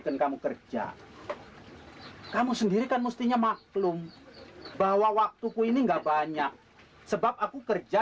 kamu kerja kamu sendiri kan mestinya maklum bahwa waktuku ini enggak banyak sebab aku kerja